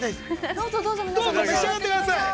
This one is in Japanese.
◆どうぞどうぞ、皆さん、召し上がってください。